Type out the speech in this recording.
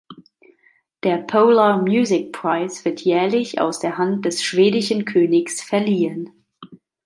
Der Polar Music Prize wird jährlich aus der Hand des schwedischen Königs verliehen.